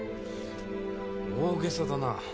大げさだな。